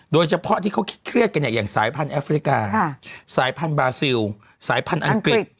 โดยเฉพาะที่เขาเครียดกันเนี่ยอย่างสายพันธุแอฟริกาสายพันธุบาซิลสายพันธุ์อังกฤษ